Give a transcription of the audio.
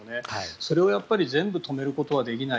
それを全部止めることはできない。